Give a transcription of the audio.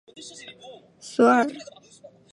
索尔河畔勒布雄。